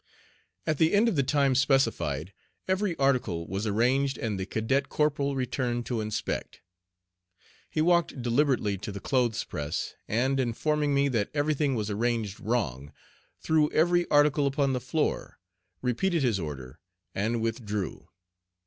At the end of the time specified every article was arranged and the cadet corporal returned to inspect. He walked deliberately to the clothes press, and, informing me that every thing was arranged wrong, threw every article upon the floor, repeated his order, and withdrew.